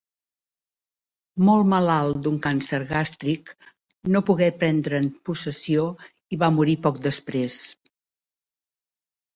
Molt malalt d'un càncer gàstric, no pogué prendre'n possessió i va morir poc després.